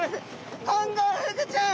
コンゴウフグちゃん！